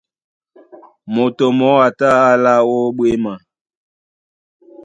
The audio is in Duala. Moto mɔɔ́ a tá á alá ó ɓwěma.